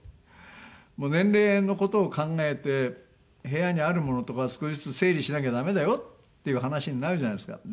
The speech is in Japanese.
年齢の事を考えて部屋にあるものとか少しずつ整理しなきゃダメだよっていう話になるじゃないですか。